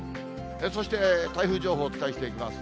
そして台風情報お伝えしていきます。